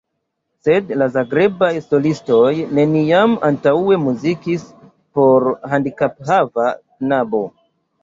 Sed la Zagrebaj solistoj neniam antaŭe muzikis por handikaphava knabo.